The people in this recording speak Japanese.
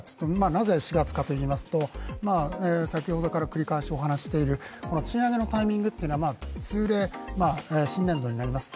なぜ４月かといいますと、先ほどから繰り返しお話している賃上げのタイミングというのは通例、新年度になります。